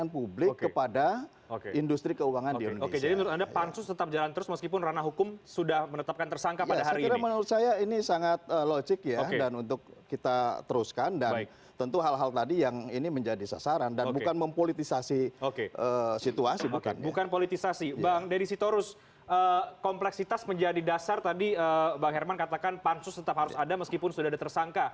penanganan anak perusahaan